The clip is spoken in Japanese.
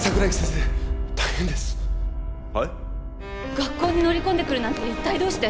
学校に乗り込んでくるなんて一体どうして！？